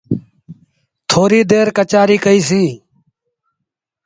ٿوريٚ دير ڪچهريٚ ڪئيٚ سيٚݩ۔